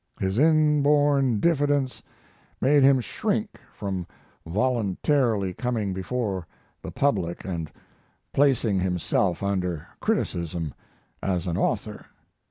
His inborn diffidence made him shrink from voluntarily coming before the public and placing himself under criticism as an author.